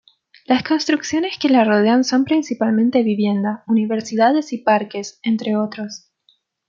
Las construcciones que la rodean son principalmente vivienda, universidades y parques, entre otros.